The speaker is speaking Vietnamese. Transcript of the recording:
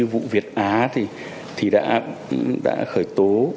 và bộ vẫn sẽ tiếp tục